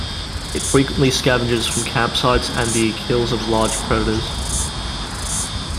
It frequently scavenges from campsites and the kills of larger predators.